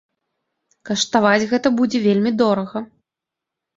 Каштаваць гэта будзе вельмі дорага.